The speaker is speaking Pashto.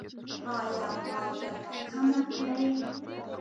ایا مالګه به کمه کړئ؟